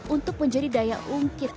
untuk menjadi daya ungkit